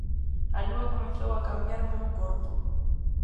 A lúa comezou a cambiar o meu corpo.